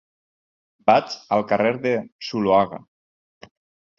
Vaig al carrer de Zuloaga.